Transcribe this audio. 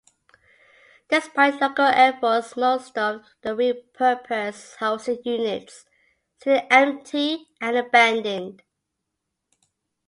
Despite local efforts, most of the re-purposed housing units sit empty and abandoned.